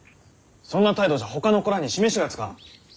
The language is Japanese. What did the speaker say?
そんな態度じゃほかの子らに示しがつかん。